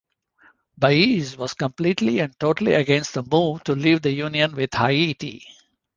Baez was completely and totally against the move to leave the union with Haiti.